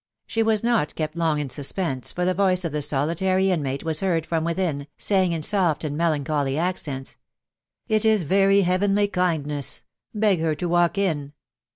She was not kept long in suspense ; for the voice of the solitary inmate was heard from within, saying in soft and melancholy accents, " It is very heavenly kindness ! Beg her to walk in."